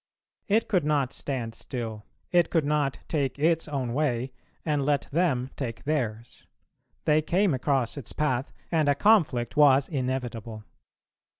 It could not stand still, it could not take its own way, and let them take theirs: they came across its path, and a conflict was inevitable.